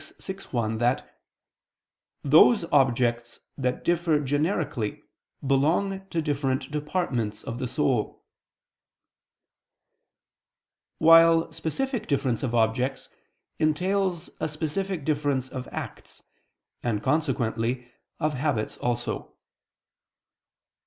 _ vi, 1, that "those objects that differ generically belong to different departments of the soul"); while specific difference of objects entails a specific difference of acts, and consequently of habits also.